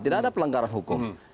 tidak ada pelengkaran hukum